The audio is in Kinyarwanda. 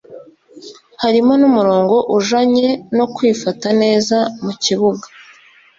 Harimwo n'umurongo ujanye no kwifata neza mu kibuga